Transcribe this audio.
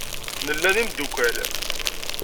Nella d imeddukal.